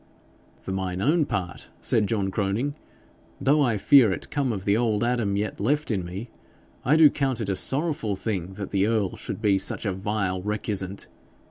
'For mine own part,' said John Croning, 'though I fear it come of the old Adam yet left in me, I do count it a sorrowful thing that the earl should be such a vile recusant.